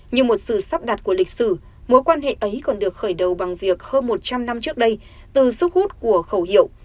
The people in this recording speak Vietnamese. như một sự sắp đặt của lịch sử mối quan hệ ấy còn được khởi đầu bằng việc hơn một trăm linh năm trước đây từ sức hút của khẩu hiệu